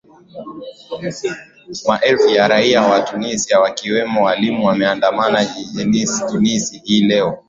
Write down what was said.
ma elfu wa raia wa tunisia wakiwemo walimu wameandamana jijini tunis hii leo